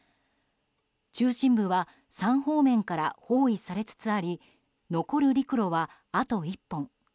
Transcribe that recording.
中心部は３方面から包囲されつつあり残る陸路はあと１本。